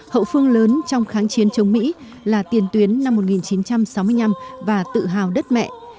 hậu phương lớn trong kháng chiến chống mỹ là tiền tuyến năm một nghìn chín trăm sáu mươi năm và tự hào đất mẹ